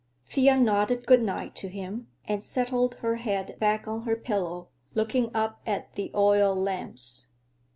Thea nodded good night to him and settled her head back on her pillow, looking up at the oil lamps.